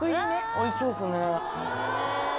おいしそうですね。